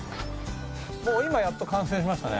今やっと完成しましたね。